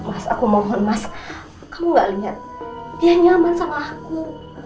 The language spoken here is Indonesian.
mas aku mohon mas kamu gak lihat dia nyaman sama aku